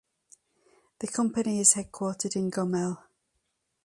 The company is headquartered in Gomel.